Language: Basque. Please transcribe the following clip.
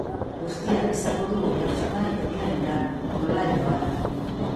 Guztiak izango du oihartzuna ikusleengan, nola edo hala.